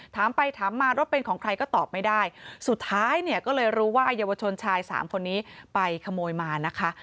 ถามไปถามมารถเป็นของใครก็ตอบไม่ได้สุดท้ายเนี่ยก็เลยรู้ว่าเยาวชนชายสามคนนี้ไปขโมยมานะคะ